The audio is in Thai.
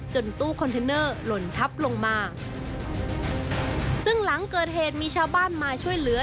ตู้คอนเทนเนอร์หล่นทับลงมาซึ่งหลังเกิดเหตุมีชาวบ้านมาช่วยเหลือ